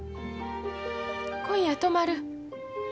今夜泊まる？